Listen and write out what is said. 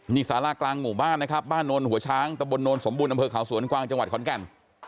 นี่ศาลากลางหมู่บ้านบ้านโนลหัวช้างตะบลโนลสมบูรณ์ดำเภอขาวสวนกว้างจังหวัดขอนแก่น